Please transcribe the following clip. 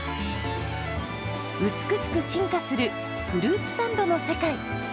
美しく進化するフルーツサンドの世界。